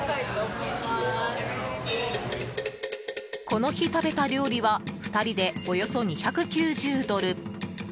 この日、食べた料理は２人でおよそ２９０ドル。